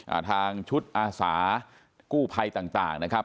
อ่าทางชุดอาสากู้ภัยต่างต่างนะครับ